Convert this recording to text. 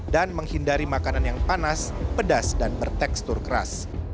dan menghindari makanan yang panas pedas dan bertekstur keras